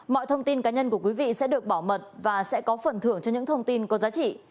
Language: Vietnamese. mọi thông tin cá nhân của quý vị sẽ được bảo mật và sẽ có phần thưởng cho những thông tin có giá trị